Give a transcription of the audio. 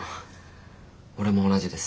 俺も同じです。